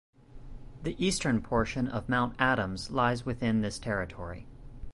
The eastern portion of Mount Adams lies within this territory.